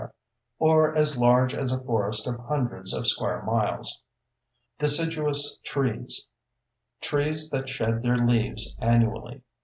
or as large as a forest of hundreds of square miles. DECIDUOUS TREES: Trees that shed their leaves annually.